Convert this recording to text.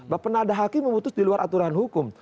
bapak pernah ada hakim memutus di luar aturan hukum